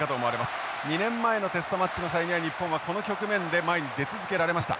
２年前のテストマッチの際には日本はこの局面で前に出続けられました。